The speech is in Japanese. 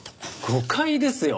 誤解ですよ。